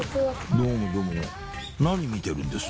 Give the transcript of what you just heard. どうもどうも何見てるんです？